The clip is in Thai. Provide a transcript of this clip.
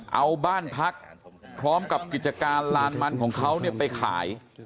เอาบ้านพักพร้อมกับกิจการลานมันของเขาไปขาย